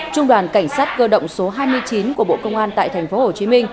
trung đoàn cảnh sát cơ động số hai mươi chín của bộ công an tại tp hcm